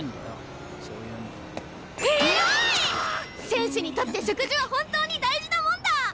選手にとって食事は本当に大事なもんだ！